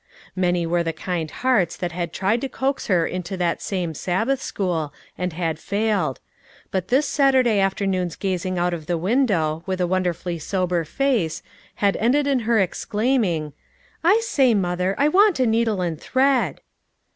Many were the kind hearts that had tried to coax her into that same Sabbath school, and had failed. But this Saturday afternoon's gazing out of the window, with a wonderfully sober face, had ended in her exclaiming, "I say, mother, I want a needle and thread."